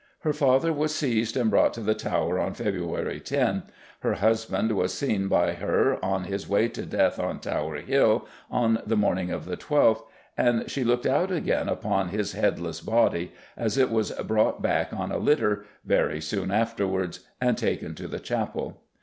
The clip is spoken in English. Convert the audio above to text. Her father was seized and brought to the Tower on February 10; her husband was seen by her on his way to death on Tower Hill on the morning of the 12th, and she looked out again upon his headless body, as it was brought back on a litter, very soon afterwards, and taken to the chapel.